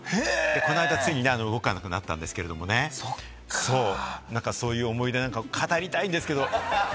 この間ついに動かなくなったんですけれどもね、そういう思い出を何か語りたいんですけれども。